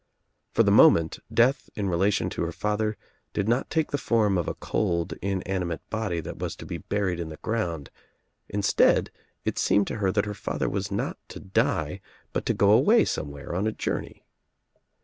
For the moment death in relation to her father did not take the form of a cold inanimate body that was to be burled in the ground, instead it seemed to her that her father was not to die but to go away somewhere on a journey.